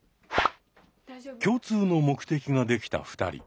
共通の目的ができた２人。